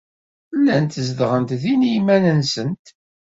Llant zedɣent din i yiman-nsent.